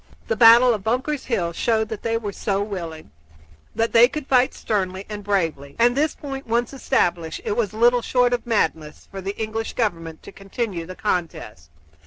The battle of Bunker's Hill showed that they were so willing that they could fight sternly and bravely: and this point once established, it was little short of madness for the English government to continue the contest.